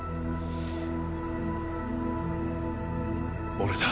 俺だ。